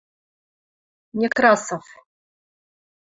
Некрасов